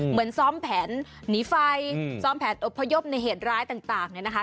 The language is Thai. เหมือนซ้อมแผนหนีไฟซ้อมแผนอบพยพในเหตุร้ายต่างเนี่ยนะคะ